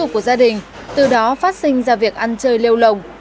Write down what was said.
của gia đình từ đó phát sinh ra việc ăn chơi lêu lồng